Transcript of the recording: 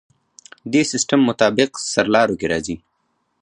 دې سیستم مطابق سرلارو کې راځي.